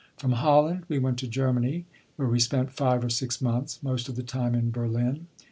From Holland we went to Germany, where we spent five or six months, most of the time in Berlin.